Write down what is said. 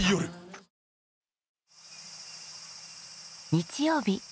日曜日。